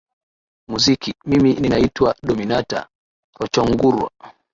muziki mimi ninaitwa dominata rochongurwa